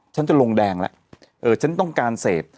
ฉันจะลงแดงแล้วฉันต้องการเสพ